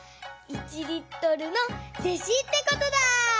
１リットルの弟子ってことだ！